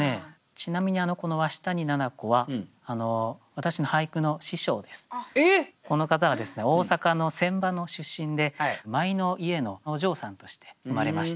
ちなみにこのこの方はですね大阪の船場の出身で舞の家のお嬢さんとして生まれました。